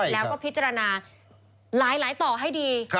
แล้วก็พิจารณาหลายต่อให้ดี